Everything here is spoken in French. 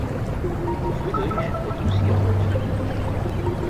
Friederich est aussi un nom de famille.